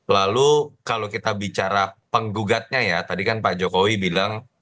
lalu kalau kita bicara penggugatnya ya tadi kan pak jokowi bilang